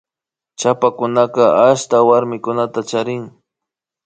Chapakunaka ashta warmikunata charin